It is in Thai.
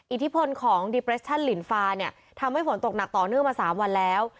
อิทธิพลของดีเปรชั่นลินฟาเนี่ยทำให้ฝนตกหนักต่อเนื่องมา๓วันแล้ว